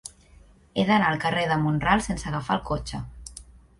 He d'anar al carrer de Mont-ral sense agafar el cotxe.